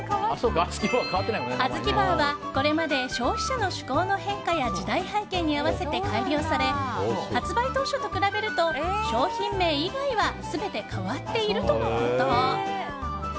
あずきバーは、これまで消費者の嗜好の変化や時代背景に合わせて改良され発売当初と比べると商品名以外は全て変わっているとのこと。